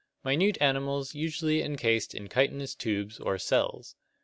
Minute animals usually encased in chitinous tubes or "cells."